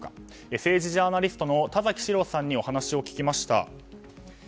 政治ジャーナリストの田崎史郎さんにお話を聞きました。